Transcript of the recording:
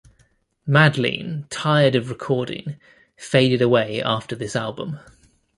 Madleen, tired of recording, faded away after this album.